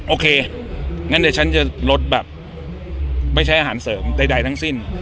โอเคงั้นเดี๋ยวฉันจะลดแบบไม่ใช้อาหารเสริมใดทั้งสิ้น